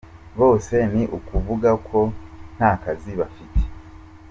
bose ni ukuvuga ko nta kazi bafite.